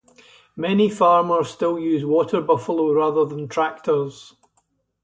Many farmers still use water buffalo rather than tractors.